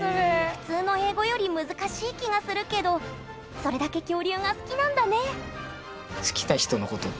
普通の英語より難しい気がするけどそれだけ恐竜が好きなんだね